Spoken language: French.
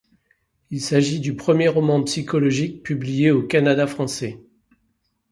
Il s'agit du premier roman psychologique publié au Canada français.